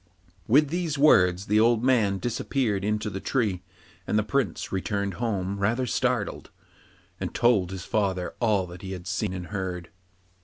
With these words the old man disappeared into the tree, and the Prince returned home rather startled, and told his father all that he had seen and heard.